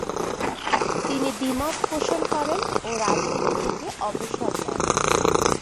তিনি দ্বি-মত পোষণ করেন ও রাজনীতি থেকে অবসর নেন।